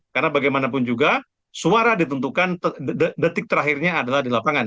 karena bagaimanapun juga suara ditentukan detik terakhirnya adalah di lapangan